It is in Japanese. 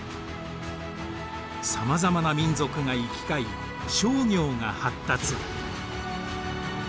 さまざまな民族が行き交い商業が発達。